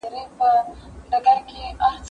زه له سهاره پوښتنه کوم!.